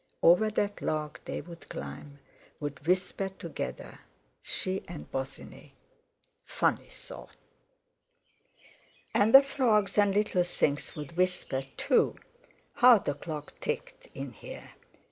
Over that log they would climb; would whisper together. She and Bosinney! Funny thought! And the frogs and little things would whisper too! How the clock ticked, in here!